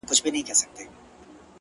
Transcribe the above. درد چي سړی سو له پرهار سره خبرې کوي”